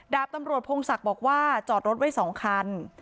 ดาบตำรวจพงศักดิ์บอกว่าจอดรถไว้๒คัน